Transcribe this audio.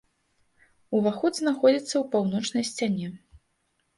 Уваход знаходзіцца ў паўночнай сцяне.